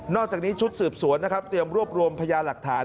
อกจากนี้ชุดสืบสวนนะครับเตรียมรวบรวมพยาหลักฐาน